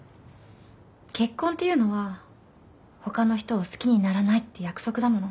結婚っていうのは他の人を好きにならないって約束だもの。